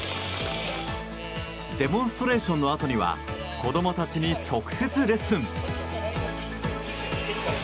デモンストレーションのあとには子供たちに直接レッスン。